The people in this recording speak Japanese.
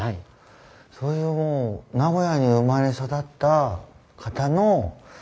そういうもう名古屋に生まれ育った方の考えや哲学